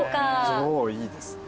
象いいですね。